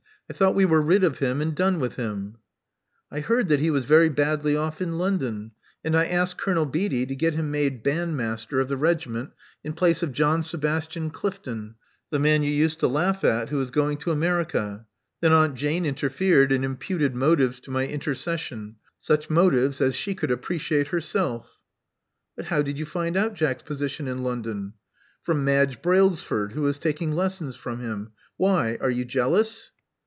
I thought we were rid of him and done with him?" I heard that he was very badly off in London; and I asked Colonel Beatty to get him made bandmaster of the regiment in place of John Sebastian Clifton — the man you used to laugh at — who is going to America. Then Aunt Jane interfered, and imputed motives to my intercession — such motives as she could appreciate herself." io6 Love Among the Artists "But how did you find out Jack's position in London?" From Madge Brailsford, who is taking lessons from him. Why? Are you jealous?"